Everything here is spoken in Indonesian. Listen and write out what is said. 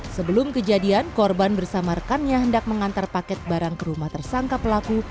sebelum kejadian korban bersama rekannya hendak mengantar paket barang ke rumah tersangka pelaku